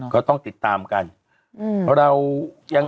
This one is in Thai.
ก็ต้องติดตามกันเรายัง